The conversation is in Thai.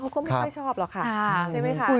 เขาก็ไม่ค่อยชอบหรอกค่ะใช่ไหมคะ